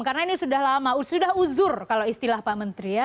karena ini sudah lama sudah uzur kalau istilah pak menteri ya